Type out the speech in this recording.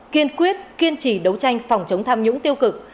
kiên quyết kiên trì đấu tranh phòng chống tham nhũng tiêu cực